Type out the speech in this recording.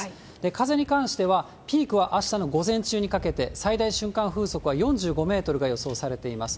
風に関しては、ピークはあしたの午前中にかけて、最大瞬間風速は４５メートルが予想されています。